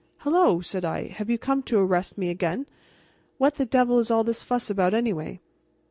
"Hello!" said I, "have you come to arrest me again? What the devil is all this fuss about, anyway?"